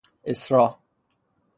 اِسرا